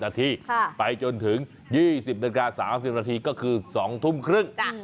นาทีไปจนถึง๒๐นาฬิกา๓๐นาทีก็คือ๒ทุ่มครึ่ง